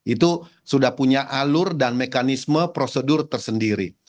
itu sudah punya alur dan mekanisme prosedur tersendiri